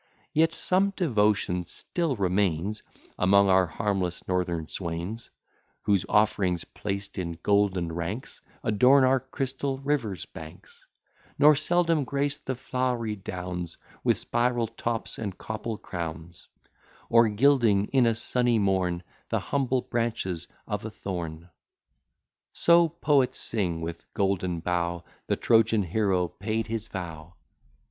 Yet some devotion still remains Among our harmless northern swains, Whose offerings, placed in golden ranks, Adorn our crystal rivers' banks; Nor seldom grace the flowery downs, With spiral tops and copple crowns; Or gilding in a sunny morn The humble branches of a thorn. So poets sing, with golden bough The Trojan hero paid his vow.